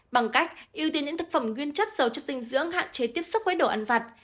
bằng cách ưu tiên những thực phẩm nguyên chất dầu chất dinh dưỡng hạn chế tiếp xúc với đồ ăn vặt